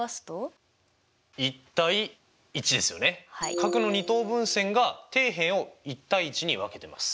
角の二等分線が底辺を１：１に分けてます。